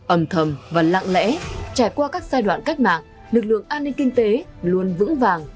âm thầm và lạng lẽ trải qua các giai đoạn cách mạng lực lượng an ninh kinh tế luôn vững vàng